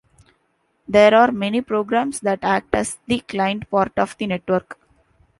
There are many programs that act as the client part of the network.